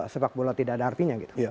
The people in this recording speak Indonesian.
sepak bola tidak ada artinya gitu